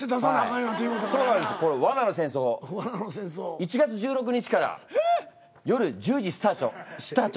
１月１６日から夜１０時スチャートシュタート。